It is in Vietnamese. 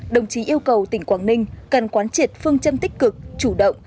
đồng chí yêu cầu tỉnh quảng ninh cần quán triệt phương châm tích cực chủ động